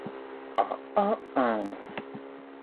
錢財身外物